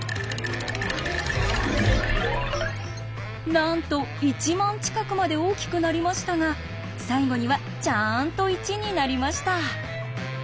なんと１万近くまで大きくなりましたが最後にはちゃんと１になりました。